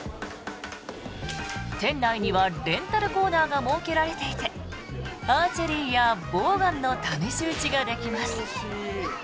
店内にはレンタルコーナーが設けられていてアーチェリーやボウガンの試し撃ちができます。